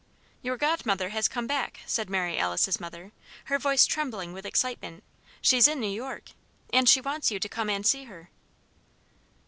"Your godmother has come back," said Mary Alice's mother, her voice trembling with excitement; "she's in New York. And she wants you to come and see her."